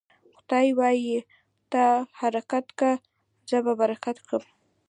خداى وايي: ته حرکت که ، زه به برکت کم.